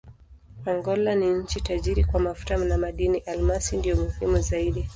Angola ni nchi tajiri kwa mafuta na madini: almasi ndiyo muhimu zaidi.